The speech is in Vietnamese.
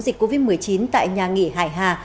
dịch covid một mươi chín tại nhà nghỉ hải hà